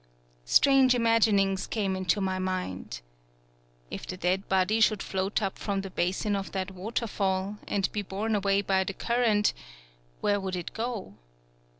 Strange imaginings came into my mind. If the dead body should float up from the basin of that waterfall, ancl be borne away by the current, where would it go?